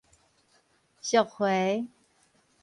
贖回